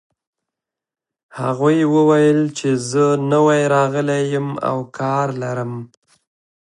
هغې وویل چې زه نوی راغلې یم او کار لرم